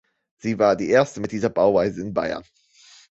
Sie war die erste mit dieser Bauweise in Bayern.